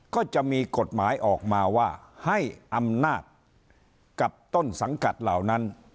ก็จะมีกฎหมายออกมาว่าให้อำนาจกับต้นสังกัดเหล่านั้น